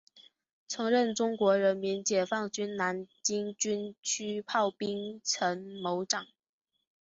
曾任中国人民解放军南京军区炮兵参谋长。